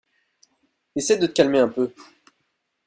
Essaie de te calmer un peu!